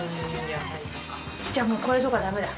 じゃあもうこれとかだめだ。